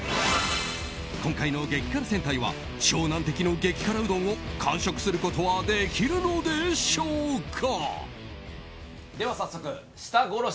今回の激辛戦隊は超難敵の激辛うどんを完食することはできるのでしょうか。